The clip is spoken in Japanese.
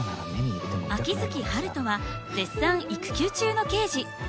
秋月春風は絶賛育休中の刑事。